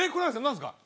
何ですか？